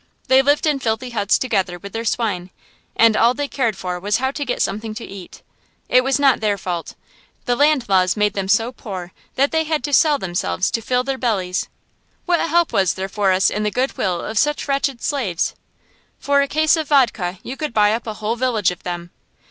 They lived in filthy huts together with their swine, and all they cared for was how to get something to eat. It was not their fault. The land laws made them so poor that they had to sell themselves to fill their bellies. What help was there for us in the good will of such wretched slaves? For a cask of vodka you could buy up a whole village of them.